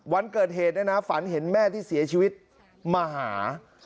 วันเกิดเหตุเนี่ยนะฝันเห็นแม่ที่เสียชีวิตมาหา